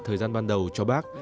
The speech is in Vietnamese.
thời gian ban đầu cho bác